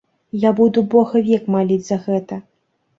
Я буду бога век маліць за гэта!